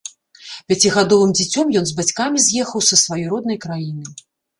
Пяцігадовым дзіцем ён з бацькамі з'ехаў са сваёй роднай краіны.